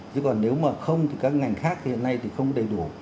chứ còn nếu mà không thì các ngành khác hiện nay thì không đầy đủ